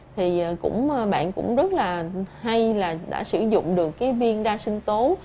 thì bạn cũng rất hay là đã sử dụng được viên đa sinh tố